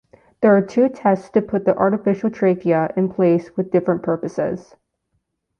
There are two tests to put the artificial trachea in place with different purposes.